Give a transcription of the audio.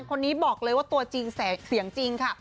คนนี้บอกเลยว่าตัวจริงเสียงจริงค่ะ